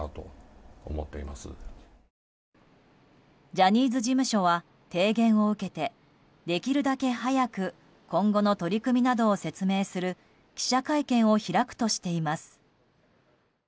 ジャニーズ事務所は提言を受けてできるだけ早く今後の取り組みなどを説明する記者会見を開くとしています。